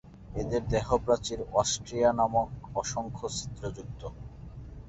এদের দেহপ্রাচীর অস্টিয়া নামক অসংখ্য ছিদ্রযুক্ত।